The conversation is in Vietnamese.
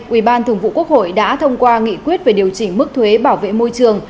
ủy ban thường vụ quốc hội đã thông qua nghị quyết về điều chỉnh mức thuế bảo vệ môi trường